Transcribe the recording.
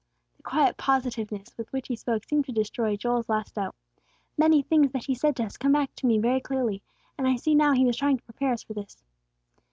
The quiet positiveness with which he spoke seemed to destroy Joel's last doubt. "Many things that He said to us come back to me very clearly; and I see now He was trying to prepare us for this."